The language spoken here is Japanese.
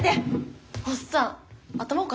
おっさん頭